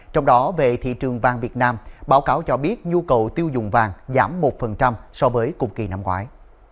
trong đó về thị trường vàng việt nam báo cáo cho biết nhu cầu tiêu dùng vàng giảm một so với cùng kỳ năm ngoái